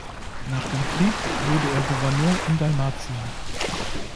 Nach dem Krieg wurde er Gouverneur in Dalmatien.